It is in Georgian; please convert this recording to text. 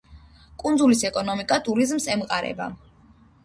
კუნძულის ეკონომიკა ტურიზმს ემყარება.